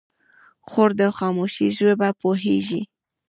خور د خاموشۍ ژبه پوهېږي.